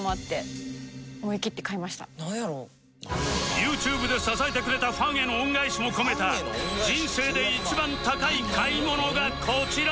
ユーチューブで支えてくれたファンへの恩返しも込めた人生で一番高い買い物がこちら